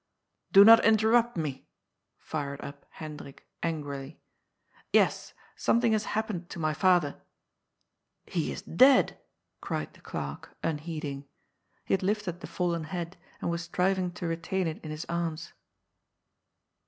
"Do. not interrupt me," fired up Hendrik angrily. " Yes, something has happened to my father "" He is dead 1 " cried the clerk, unheeding. He had lifted the fallen head, and was striving to retain it in his arms.